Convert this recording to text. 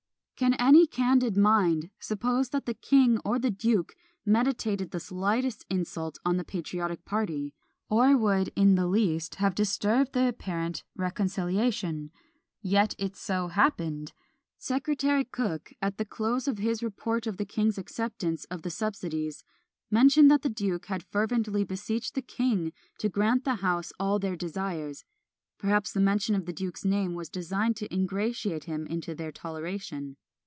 Can any candid mind suppose that the king or the duke meditated the slightest insult on the patriotic party, or would in the least have disturbed the apparent reconciliation! Yet it so happened! Secretary Cooke, at the close of his report of the king's acceptance of the subsidies, mentioned that the duke had fervently beseeched the king to grant the house all their desires! Perhaps the mention of the duke's name was designed to ingratiate him into their toleration.